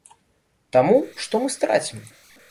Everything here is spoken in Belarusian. Таму што мы страцім.